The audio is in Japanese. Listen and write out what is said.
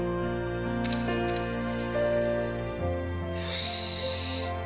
よし。